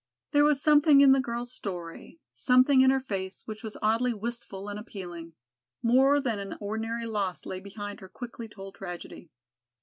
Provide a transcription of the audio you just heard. There was something in the girl's story, something in her face which was oddly wistful and appealing. More than an ordinary loss lay behind her quickly told tragedy.